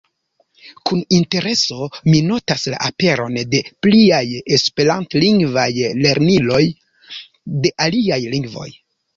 Kun intereso mi notas la aperon de pliaj esperantlingvaj lerniloj de aliaj lingvoj.